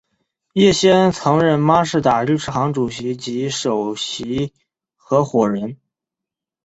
叶锡安曾任孖士打律师行主席及首席合夥人。